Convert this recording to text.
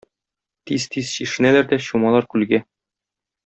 Тиз-тиз чишенәләр дә чумалар күлгә.